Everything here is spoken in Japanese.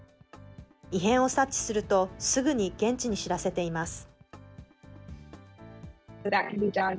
異変を察知すると、すぐに現地に知らせています。